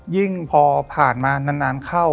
ยิ่งพอผ่านมานานเข้า